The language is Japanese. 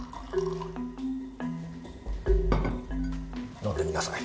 飲んでみなさい。